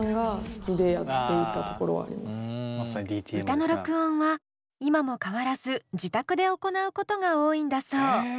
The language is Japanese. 歌の録音は今も変わらず自宅で行うことが多いんだそう。